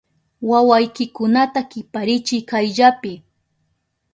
¡Wawaykikunata kiparichiy kayllapi!